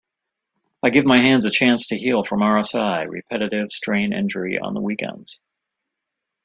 I give my hands a chance to heal from RSI (Repetitive Strain Injury) on the weekends.